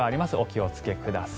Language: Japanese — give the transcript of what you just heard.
お気をつけください。